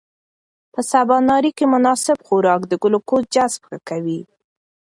په سباناري کې مناسب خوراک د ګلوکوز جذب ښه کوي.